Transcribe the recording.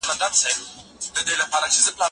انجینري پوهنځۍ بې له ځنډه نه پیلیږي.